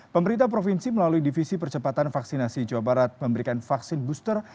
pemerintah provinsi melalui divisi percepatan vaksinasi jawa barat memberikan vaksin booster